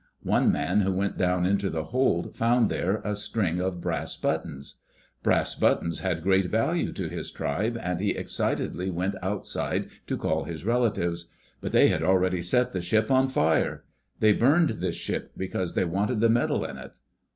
One man who went down into the hold found there a string of brass buttons. Brass buttons [a] Digitized by CjOOQ IC THE FIRST WHITE MAN*S SHIP had great value to his tribe, and he excitedly went outside to call his relatives. But they had already set the ship on fire. They burned this ship because they wanted the metal in it.